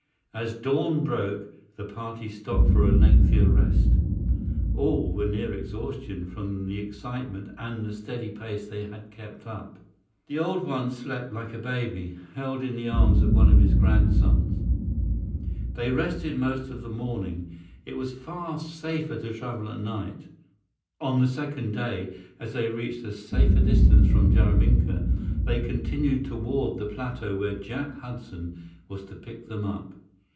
As dawn broke, the party stopped for a lengthier rest. All were near exhaustion from the excitement and the steady pace they had kept up. The Old One slept like a baby, held in the arms of one of his grandsons. They rested most of the morning. It was far safer to travel at night. On the second day, as they reached a safer distance from Jaraminka, they continued toward the plateau where Jack Hudson was to pick them up.